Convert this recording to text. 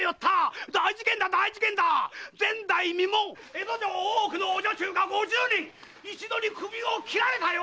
江戸城大奥のお女中が五十人一度に首を切られたよ！